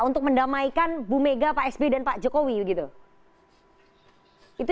untuk mendamaikan bu mega pak sby dan pak jokowi begitu